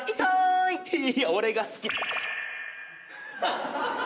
いーや俺が好き。